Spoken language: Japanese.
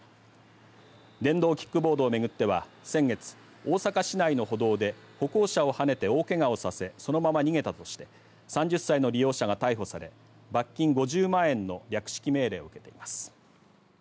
電動キックボードをめぐっては先月大阪市内の歩道で歩行者をはねて大けがをさせそのまま逃げたとして３０歳の利用者が逮捕され罰金５０万円の略式命令を受けています。